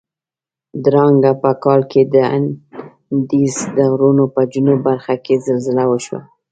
درانګه په کال کې د اندیز د غرونو په جنوب برخه کې زلزله وشوه.